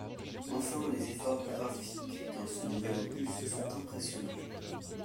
Enfin, les efforts graphiques dans ce nouvel opus sont impressionnants.